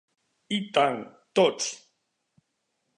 I tant, tots!